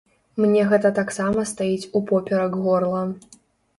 Мне гэта таксама стаіць упоперак горла.